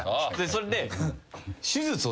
それで。